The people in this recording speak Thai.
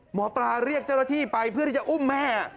หมอปลาเรียกเจ้าหน้าที่ไปเพื่อที่จะอุ้มแม่